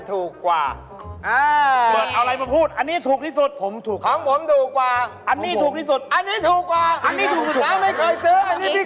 ตั้งไม่เคยเสื้ออันนี้ไม่เคยเสื้อ